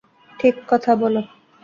ঠিক কথা বলো।